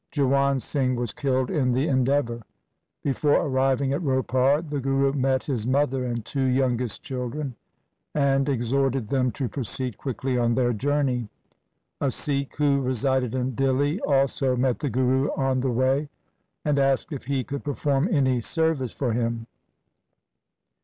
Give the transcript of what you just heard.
Jiwan Singh was killed in the endeavour. Before arriving at Ropar, the Guru met his mother and two youngest children, and exhorted them to proceed quickly on their journey. A Sikh who resided in Dihli also met the Guru on the way, and asked if he could perform any service for him.